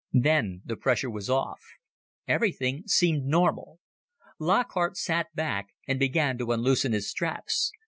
Then the pressure was off. Everything seemed normal. Lockhart sat back and began to unloosen his straps.